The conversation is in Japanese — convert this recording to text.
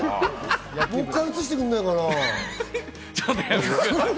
もう一回、映してくんないかな？